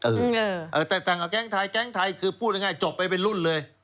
แตกต่างกับแก๊งไทยแก๊งไทยคือพูดง่ายจบไปเป็นรุ่นเลย